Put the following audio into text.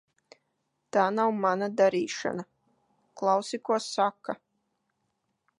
Tā nav mana darīšana. Klausi, ko saka.